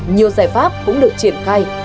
nhiều giải pháp cũng được triển khai